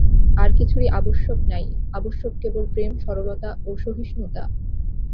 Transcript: আর কিছুরই আবশ্যক নাই, আবশ্যক কেবল প্রেম সরলতা ও সহিষ্ণুতা।